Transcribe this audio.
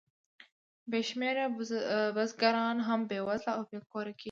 بې شمېره بزګران هم بېوزله او بې کوره کېږي